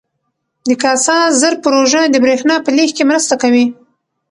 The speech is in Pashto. د کاسا زر پروژه د برښنا په لیږد کې مرسته کوي.